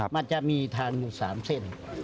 มันจะมีทางอยู่๓เส้น